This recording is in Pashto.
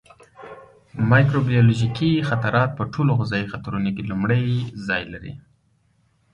مایکروبیولوژیکي خطرات په ټولو غذایي خطرونو کې لومړی ځای لري.